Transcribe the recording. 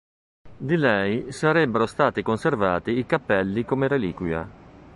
Di lei sarebbero stati conservati i capelli come reliquia.